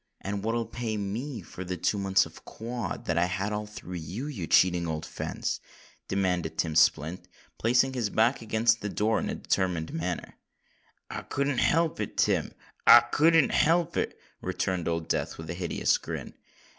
"And what'll pay me for the two months of quod that I had all through you, you cheating old fence?" demanded Tim Splint, placing his back against the door in a determined manner. "I couldn't help it, Tim—I couldn't help it," returned Old Death with a hideous grin.